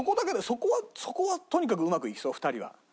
そこはそこはとにかくうまくいきそう２人は。